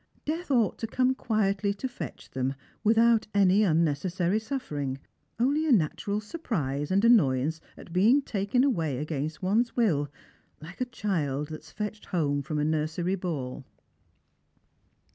" Death ought to come quietly to fetch them, without any unnecessary Buffering ; only a natural surprise and annoyance at being taeen 5 270 Strangen and Filgrhns. away against one's will, like a cHld that is fetclied home from a nursery ball."